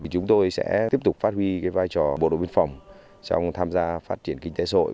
chúng tôi sẽ tiếp tục phát huy vai trò bộ đội biên phòng trong tham gia phát triển kinh tế sội